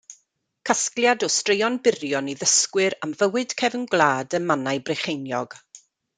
Casgliad o straeon byrion i ddysgwyr am fywyd cefn gwlad ym Mannau Brycheiniog.